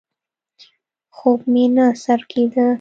خوب مې نه سر کېده.